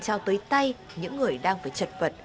trao tới tay những người đang phải chật vật